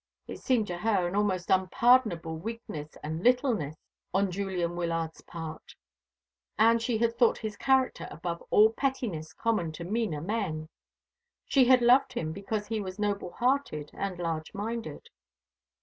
It seemed to her an almost unpardonable weakness and littleness on Julian Wyllard's part. And she had thought his character above all pettinesses common to meaner men. She had loved him because he was noble hearted and large minded.